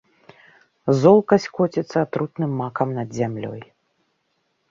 Золкасць коціцца атрутным макам над зямлёй.